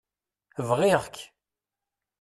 Bɣiɣ-k.